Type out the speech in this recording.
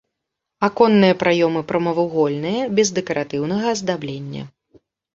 Аконныя праёмы прамавугольныя без дэкаратыўнага аздаблення.